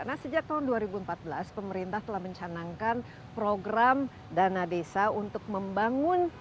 nah sejak tahun dua ribu empat belas pemerintah telah mencanangkan program dana desa untuk membangun